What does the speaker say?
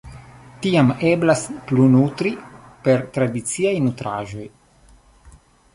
Tiam eblas plunutri per tradiciaj nutraĵoj.